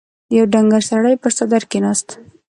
يو ډنګر سړی پر څادر کېناست.